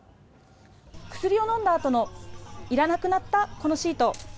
薬を飲んだあとのいらなくなったこのシート。